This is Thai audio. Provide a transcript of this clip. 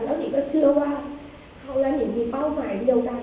หนิงก็เชื่อว่าเขาและนิงมีเป้าหมายเดียวกัน